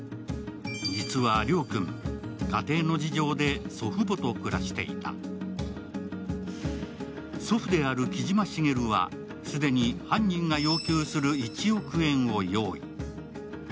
実は、亮君、家庭の事情で祖父母と暮らしていた祖父である木島茂は既に犯人が要求する１億円を用意。